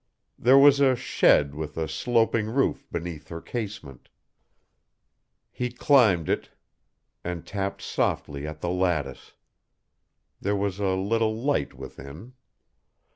There was a shed with a sloping roof beneath her casement: he climbed it and tapped softly at the lattice: there was a little light within.